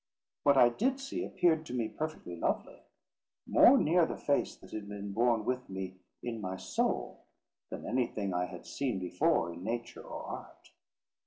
What I did see appeared to me perfectly lovely; more near the face that had been born with me in my soul, than anything I had seen before in nature or art.